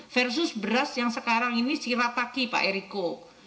versus beras yang sekarang ini sirataki pak eriko